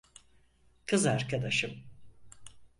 Kız arkadaşım.